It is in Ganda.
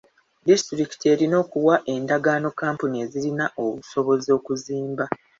Disitulikiti erina okuwa endagaano kampuni ezirina obusobozi okuzimba.